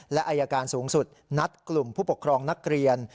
และอายการสูงสุดนัดกลุ่มผู้ปกครองนักเรียน